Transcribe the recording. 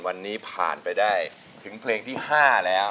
วันนี้ผ่านไปได้ถึงเพลงที่๕แล้ว